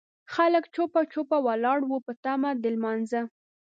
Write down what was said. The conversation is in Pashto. خلک جوپه جوپه ولاړ وو په تمه د لمانځه.